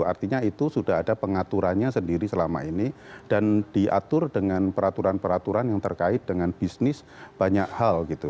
artinya itu sudah ada pengaturannya sendiri selama ini dan diatur dengan peraturan peraturan yang terkait dengan bisnis banyak hal gitu